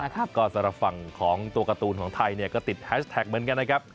ก็สำหรับฝั่งของตัวการ์ตูนของไทยก็ติดแฮชแท็กเหมือนกันนะครับ